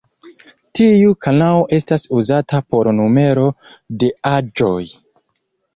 Tiu kanao estas uzata por numero de aĵoj.